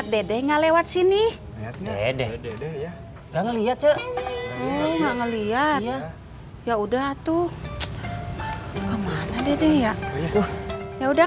dede ngelewat sini dede dede ya nggak ngelihat cek ngelihat ya udah tuh kemana dede ya yaudah